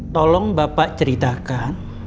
tolong bapak ceritakan